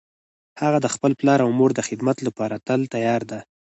هغه د خپل پلار او مور د خدمت لپاره تل تیار ده